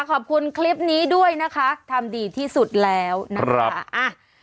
ขอบคุณคลิปนี้ด้วยนะคะทำดีที่สุดแล้วนะคะอ่ะ